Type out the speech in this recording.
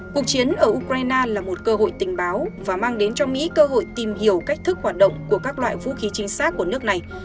cuộc chiến ở ukraine là một cơ hội tình báo và mang đến cho mỹ cơ hội tìm hiểu cách thức hoạt động của các loại vũ khí chính xác của nước này